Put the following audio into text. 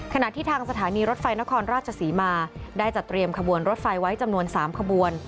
ขณะที่ทางสถานีรถไฟนครราชศรีมาได้จัดเตรียมขบวนรถไฟไว้จำนวน๓ขบวน